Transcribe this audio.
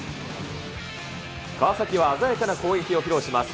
川崎は鮮やかな攻撃を披露します。